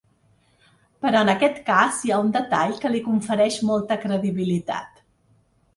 Però en aquest cas hi ha un detall que li confereix molta credibilitat.